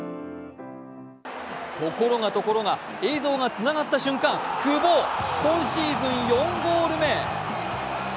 ところがところが映像がつながった瞬間、久保、今シーズン４ゴール目。